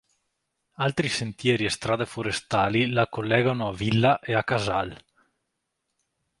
Altri sentieri e strade forestali la collegano a Villa e a Casal.